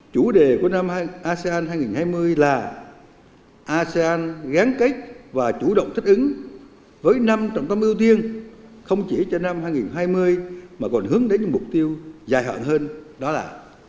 chủ đề của năm asean hai nghìn hai mươi là asean gán kết và chủ động thích ứng với năm trọng tâm ưu tiên không chỉ cho năm hai nghìn hai mươi mà còn hướng đến những mục tiêu dài hạn hơn đó là